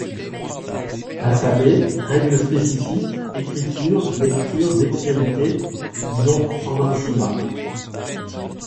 Alphabet, règles spécifiques, écriture, lecture, dextérité. .. disons cent vingt-six grammes.